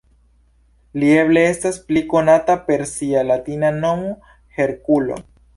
Li eble estas pli konata per sia latina nomo Herkulo.